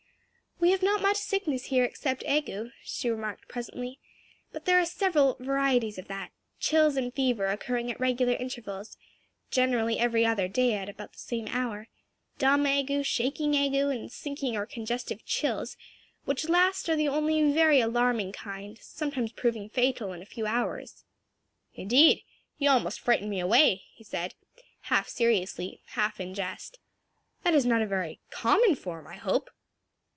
"We have not much sickness here except ague," she remarked presently, "but there are several varieties of that chills and fever occurring at regular intervals generally every other day at about the same hour; dumb ague, shaking ague, and sinking or congestive chills; which last are the only very alarming kind, sometimes proving fatal in a few hours." "Indeed! you almost frighten me away," he said half seriously, half in jest. "That is not a very common form, I hope?"